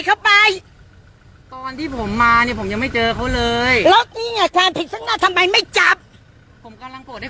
แล้วทำไมปล่อยเขาไปอ่ะทำไมปล่อยเขาไป